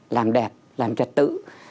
làm đẹp làm trật tự